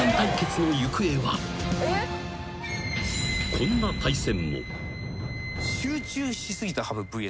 ［こんな対戦も］